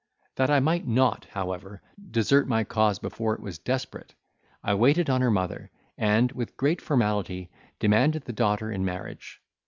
That I might not, however, desert my cause before it was desperate, I waited on her mother; and, with great formality, demanded the daughter in marriage.